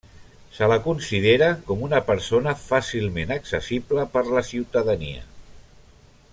Se la considera com una persona fàcilment accessible per la ciutadania.